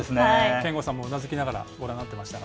憲剛さんもうなずきながらご覧になっていましたが。